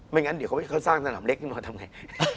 งั้นเดี๋ยวเขาสร้างสนามเล็กขึ้นมาทำไง